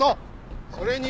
それに。